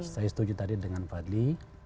saya setuju tadi dengan fadli